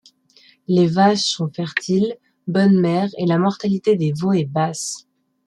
Les vaches sont fertiles, bonnes mères et la mortalité des veaux est basse.